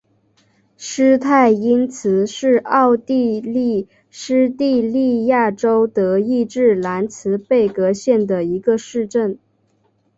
施泰因茨是奥地利施蒂利亚州德意志兰茨贝格县的一个市镇。